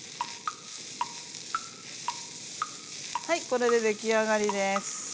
はいこれでできあがりです。